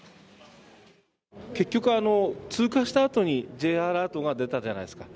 結局、通過したあとにＪアラートが出たじゃないですか。